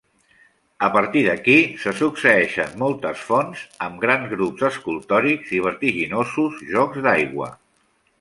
A partir d'aquí, se succeeixen moltes fonts amb grans grups escultòrics i vertiginosos jocs d'aigua.